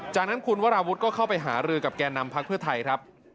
จากนั้นคุณวราวุฒิก็เข้าไปหารือกับแก่นำพักเพื่อไทยครับ